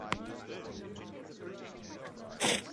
She was an active member of Baptist congregation.